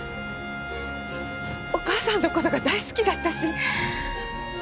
お義母さんの事が大好きだったし。